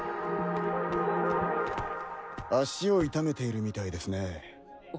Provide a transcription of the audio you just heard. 足を痛めているみたいですね。